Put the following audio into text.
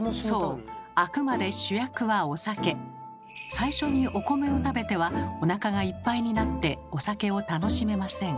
最初にお米を食べてはおなかがいっぱいになってお酒を楽しめません。